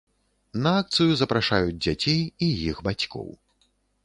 На акцыю запрашаюць дзяцей і іх бацькоў.